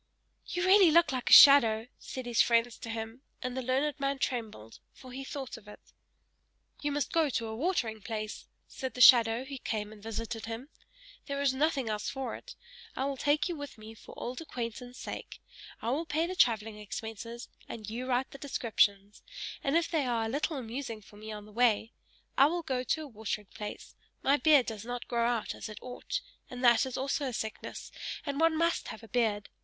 "You really look like a shadow!" said his friends to him; and the learned man trembled, for he thought of it. "You must go to a watering place!" said the shadow, who came and visited him. "There is nothing else for it! I will take you with me for old acquaintance' sake; I will pay the travelling expenses, and you write the descriptions and if they are a little amusing for me on the way! I will go to a watering place my beard does not grow out as it ought that is also a sickness and one must have a beard!